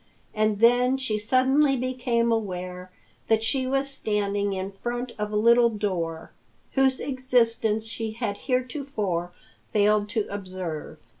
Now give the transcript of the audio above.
And then she suddenly became aware that she was standing in front of a little door, whose existence she had heretofore failed to observe.